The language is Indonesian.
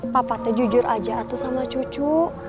papa teh jujur aja atuh sama cucu